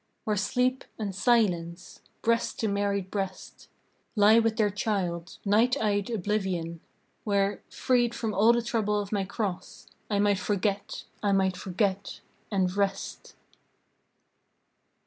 Where Sleep and Silence breast to married breast Lie with their child, night eyed Oblivion; Where, freed from all the trouble of my cross, I might forget, I might forget, and rest!